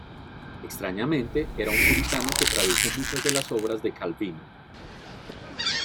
Extrañamente, era un puritano que tradujo muchas de las obras de Calvino.